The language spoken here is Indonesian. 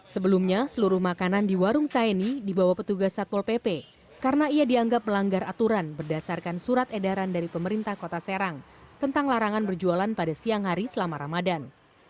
sebelumnya seluruh makanan di warung saini dibawa petugas satpol pp karena ia dianggap melanggar aturan berdasarkan surat edaran dari pemerintah kota serang tentang larangan berjualan pada siang hari selama ramadan